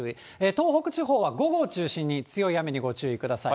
東北地方は午後を中心に強い雨にご注意ください。